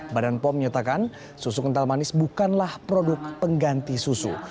badan pom menyatakan susu kental manis bukanlah produk pengganti susu